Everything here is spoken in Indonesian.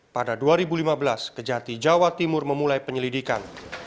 pada dua ribu lima belas kejati jawa timur memulai penyelidikan